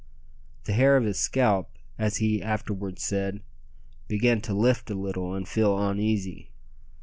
The hair of his scalp, as he afterwards said, "began to lift a little and feel oneasy."